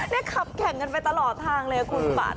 นี่ขับแข่งกันไปตลอดทางเลยคุณบัตร